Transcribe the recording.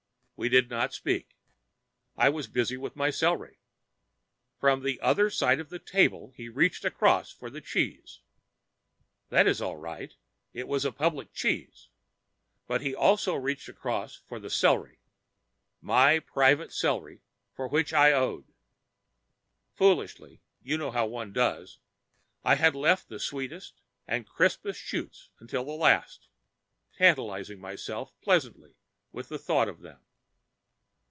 We did not speak I was busy with my celery. From the other end of the table he reached across for the cheese. That was all right! it was the public cheese. But he also reached across for the celery my private celery for which I owed. Foolishly you know how one does I had left the sweetest and crispest shoots till the last, tantalizing myself pleasantly with the thought of them.